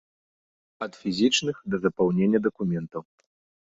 Ад фізічных, да запаўнення дакументаў.